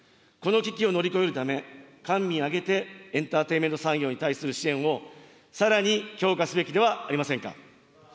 この危機を乗り越えるため、官民挙げてエンターテイメント産業に対する支援をさらに強化すべきではありませんか。